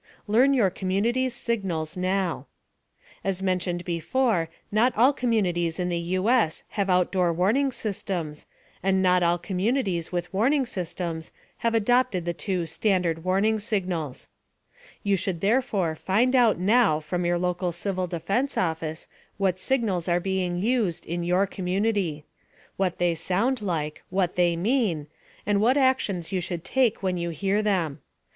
LEARN YOUR COMMUNITY'S SIGNALS NOW As mentioned before not all communities in the U.S. have outdoor warning systems, and not all communities with warning systems have adopted the two "standard" warning signals. You should therefore find out now from your local Civil Defense Office what signals are being used, in your community; what they sound like; what they mean; and what actions you should take when you hear them.